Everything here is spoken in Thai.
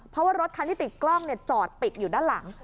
เพราะว่ารถคันที่ติดกล้องจอดปิดอยู่ด้านหลัง